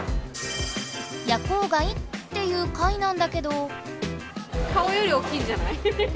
夜光貝っていう貝なんだけど。